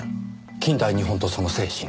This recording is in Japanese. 『近代日本とその精神』。